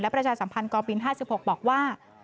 แล้วประชาสัมพันธ์กปริศน์๕๖บอกว่า